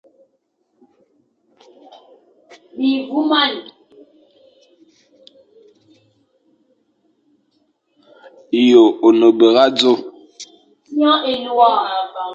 Ye one bera dzo?